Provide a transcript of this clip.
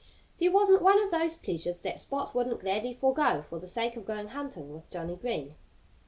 There wasn't one of those pleasures that Spot wouldn't gladly forgo for the sake of going hunting with Johnnie Green.